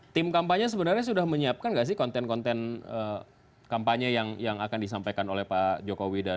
tim kampanye sebenarnya sudah menyiapkan nggak sih konten konten kampanye yang akan disampaikan oleh pak jokowi